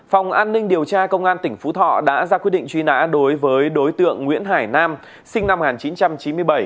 phòng an ninh điều tra công an tỉnh phú thọ đã ra quyết định truy nã đối với đối tượng nguyễn hải nam sinh năm một nghìn chín trăm chín mươi bảy